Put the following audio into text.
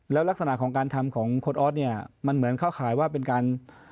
แล้วลักษณะของการทำของคุณออสเนี่ยมันเหมือนเข้าข่ายว่าเป็นการ